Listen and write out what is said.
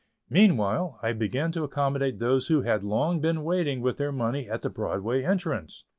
Meanwhile, I began to accommodate those who had long been waiting with their money at the Broadway entrance.